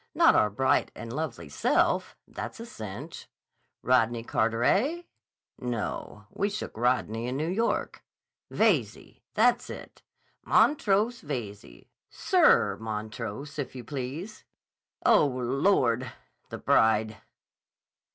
Not our bright and lovely self. That's a cinch... Rodney Carteret? No: we shook Rodney in New York... Veyze! That's it; Montrose Veyze. Sir Montrose, if you please.... Oh, Lord! The bride."